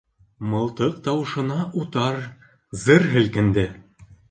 Мылтыҡ тауышына утар зыр һелкенде.